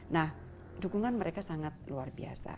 nah dukungan mereka sangat luar biasa